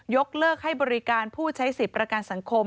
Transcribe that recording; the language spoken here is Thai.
ยกเลิกให้บริการผู้ใช้สิทธิ์ประกันสังคม